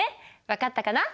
分かったかな？